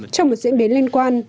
trong một diễn biến liên quan